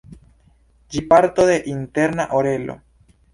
Ĝi parto de interna orelo.